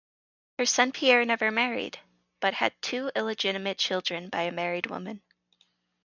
Her son Pierre never married, but had two illegitimate children by a married woman.